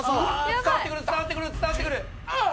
伝わってくる伝わってくる伝わってくる！